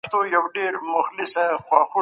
نړیوال ثبات غوره ثمره ده.